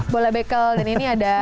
bola bekel dan ini ada